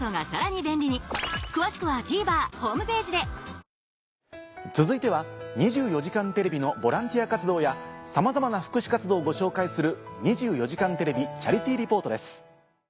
生しょうゆはキッコーマン続いては『２４時間テレビ』のボランティア活動やさまざまな福祉活動をご紹介する。